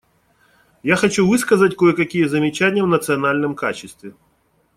Я хочу высказать кое-какие замечания в национальном качестве.